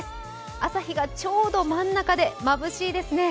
朝日がちょうど真ん中でまぶしいですね。